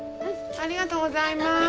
ありがとうございます。